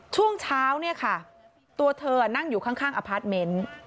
ช่วงเช้าตัวเธอนั่งอยู่ข้างอาพาร์ตเมนต์